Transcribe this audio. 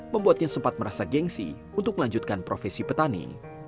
membuatnya sempat merasa gengsi untuk melanjutkan profesi petani